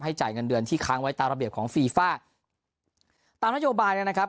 จ่ายเงินเดือนที่ค้างไว้ตามระเบียบของฟีฟ่าตามนโยบายเนี่ยนะครับ